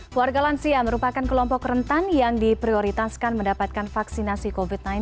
keluarga lansia merupakan kelompok rentan yang diprioritaskan mendapatkan vaksinasi covid sembilan belas